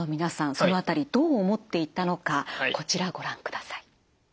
その辺りどう思っていたのかこちらご覧ください。